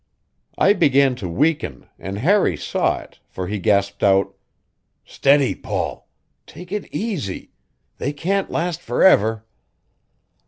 I began to weaken, and Harry saw it, for he gasped out: "Steady Paul. Take it easy. They can't last forever."